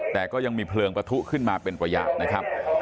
แต่ก็ยังมีเพลิงประทุขึ้นมาเป็นประหยัดนะครับ